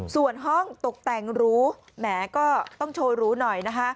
ส่วนห้องตกแต่งหรูแหมก็ต้องโชว์รูหน่อยนะคะ